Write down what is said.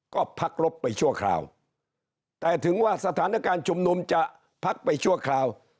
ก็พักรบไปชั่วคราวแต่ถึงว่าสถานการณ์ชุมนุมจะพักไปชั่วคราว